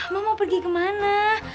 mak mau pergi kemana